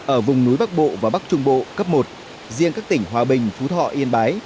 ở vùng núi bắc bộ và bắc trung bộ cấp một riêng các tỉnh hòa bình phú thọ yên bái